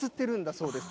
そうですか。